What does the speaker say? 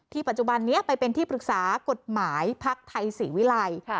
ปัจจุบันนี้ไปเป็นที่ปรึกษากฎหมายภักดิ์ไทยศรีวิรัย